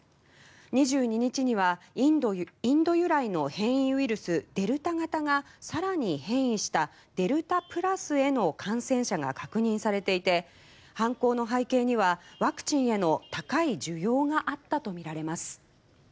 ２２日にはインド由来の変異ウイルスデルタ型が更に変異したデルタプラスへの感染者が確認されていて犯行の背景にはワクチンへの高い需要があったとみられます。